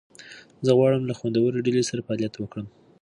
زه غواړم له خوندورې ډلې سره فعالیت وکړم.